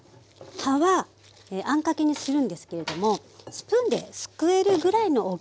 葉はあんかけにするんですけれどもスプーンですくえるぐらいの大きさ。